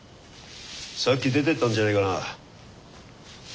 さっき出ていったんじゃないかなあ。